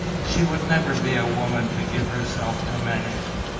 She would never be a woman to give herself to many.